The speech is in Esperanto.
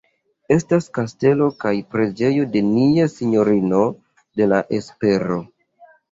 Estas kastelo kaj preĝejo de Nia Sinjorino de la Espero.